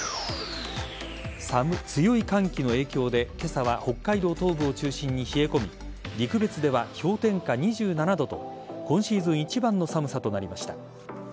強い寒気の影響で今朝は北海道東部を中心に冷え込み陸別では氷点下２７度と今シーズン一番の寒さとなりました。